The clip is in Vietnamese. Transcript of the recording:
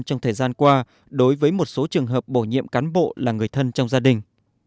trong thời gian qua đối với một số trường hợp bổ nhiệm cán bộ là người thân trong gia đình